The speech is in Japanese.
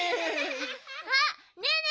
あっねえね